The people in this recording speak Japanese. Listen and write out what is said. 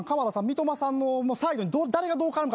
三笘さんの最後に誰がどう代わるか。